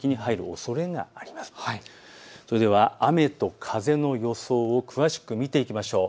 それでは雨と風の予想を詳しく見ていきましょう。